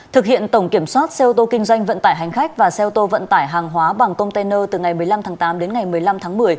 thực hiện tổng kiểm soát xe ô tô kinh doanh vận tải hành khách và xe ô tô vận tải hàng hóa bằng container từ ngày một mươi năm tháng tám đến ngày một mươi năm tháng một mươi